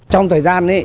trong thời gian